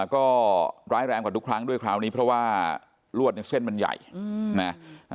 ก็ร้ายแรงกว่าทุกครั้งด้วยคราวนี้เพราะว่าลวดเนี่ยเส้นมันใหญ่นะ